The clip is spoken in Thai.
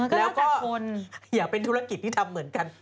แล้วก็คนอยากเป็นธุรกิจที่ทำเหมือนกัน